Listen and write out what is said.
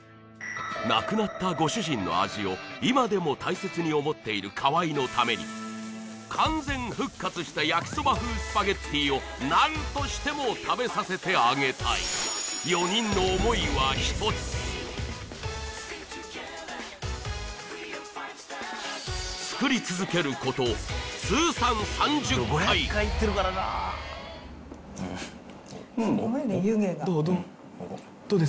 亡くなったご主人の味を今でも大切に思っている河合のために完全復活した焼きそば風スパゲッティをなんとしても食べさせてあげたい作り続けること通算３０回うんうんどうどう？